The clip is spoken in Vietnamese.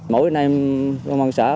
mỗi anh em công an xã